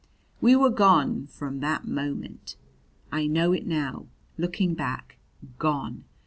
We were gone from that moment I know it now, looking back. Gone!